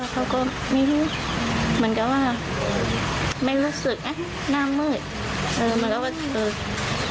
เขาก็ไม่รู้มันก็ว่าไม่รู้สึกน่ามืดเออมันก็ว่าเออ